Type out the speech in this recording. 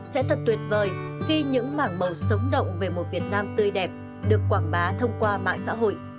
sẽ thật tuyệt vời khi những mảng màu sống động về một việt nam tươi đẹp được quảng bá thông qua mạng xã hội